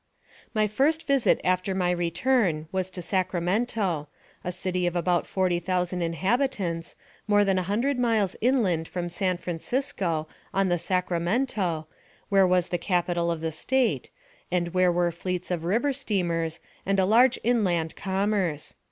My first visit after my return was to Sacramento, a city of about forty thousand inhabitants, more than a hundred miles inland from San Francisco, on the Sacramento, where was the capital of the State, and where were fleets of river steamers, and a large inland commerce.